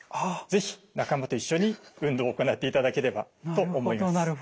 是非仲間と一緒に運動を行っていただければと思います。